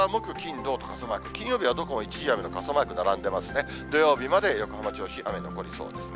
土曜日まで横浜、銚子、雨降りそうですね。